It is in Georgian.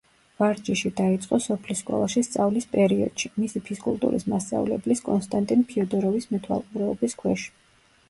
ვარჯიში დაიწყო სოფლის სკოლაში სწავლის პერიოდში, მისი ფიზკულტურის მასწავლებლის, კონსტანტინ ფიოდოროვის მეთვალყურეობის ქვეშ.